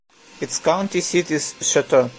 Its county seat is Choteau.